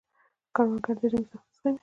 کروندګر د ژمي سختۍ زغمي